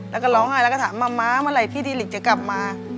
แล้วก็ร้องไห้แล้วก็ถามว่าม้าเมื่อไหร่พี่ดีลิกจะกลับมา